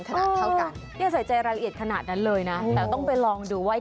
ยังใส่ใจรายละเอียดขนาดนั้นเลยนะ